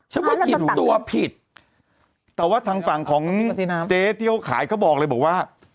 ว่ากินตัวผิดแต่ว่าทางฝั่งของเจ๊ที่เขาขายเขาบอกเลยบอกว่า